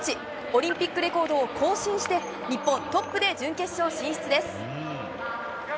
オリンピックレコードを更新して、日本、トップで準決勝進出です。